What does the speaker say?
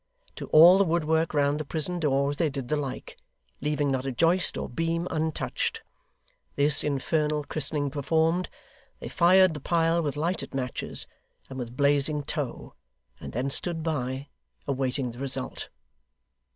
To all the woodwork round the prison doors they did the like, leaving not a joist or beam untouched. This infernal christening performed, they fired the pile with lighted matches and with blazing tow, and then stood by, awaiting the result.